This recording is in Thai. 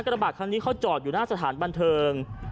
กระบาดคันนี้เขาจอดอยู่หน้าสถานบันเทิง